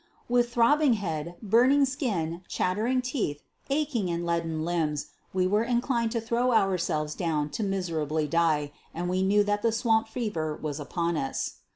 "With throbbing head, burning skin, chattering teeth, aching and leaden limbs, we were inclined to throw ourselves down to miserably die, and we knew that the swamp fever was upon us."